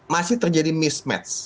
masih terjadi mismatch